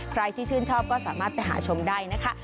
ใครที่ชื่นชอบก็สามารถไปหาชมได้นะคะ